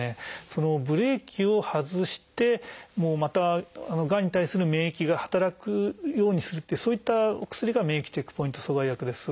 そのブレーキを外してまたがんに対する免疫が働くようにするというそういったお薬が免疫チェックポイント阻害薬です。